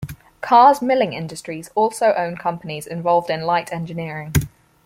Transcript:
Carr's Milling Industries also own companies involved in light engineering.